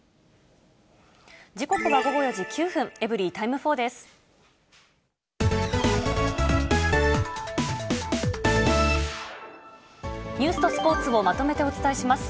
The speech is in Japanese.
時刻は午後４時９分、エブリィタイム４です。